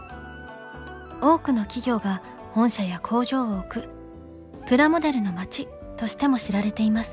多くの企業が本社や工場を置くプラモデルの街としても知られています。